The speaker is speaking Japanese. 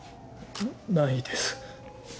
ないです。